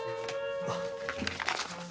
あっ。